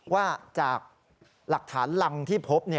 ว่าจากหลักฐานรังที่พบ